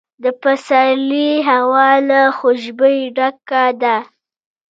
د پسرلي هوا له خوشبویۍ ډکه ده.